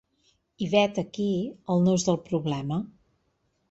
I vet aquí el nus del problema.